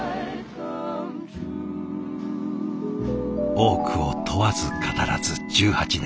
多くを問わず語らず１８年。